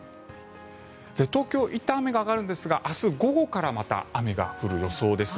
東京、いったん雨が上がるんですが明日午後からまた雨が降る予想です。